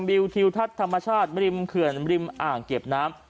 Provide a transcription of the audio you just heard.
วิวทิวทัศน์ธรรมชาติริมเขื่อนริมอ่างเก็บน้ำ